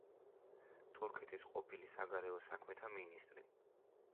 თურქეთის ყოფილი საგარეო საქმეთა მინისტრი.